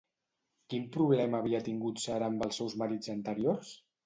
Quin problema havia tingut Sara amb els seus marits anteriors?